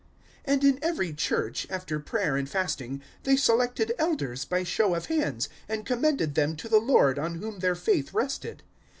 014:023 And in every Church, after prayer and fasting, they selected Elders by show of hands, and commended them to the Lord on whom their faith rested.